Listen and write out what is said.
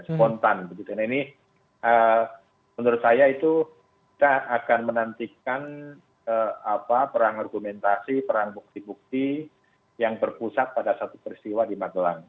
spontan ini menurut saya itu kita akan menantikan perang argumentasi perang bukti bukti yang berpusat pada satu peristiwa di magelang